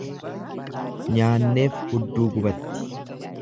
nyaanneef hudduu gubatti.